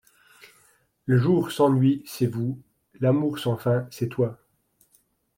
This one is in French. Le jour sans nuit, c'est vous ; l'amour sans fin, c'est toi.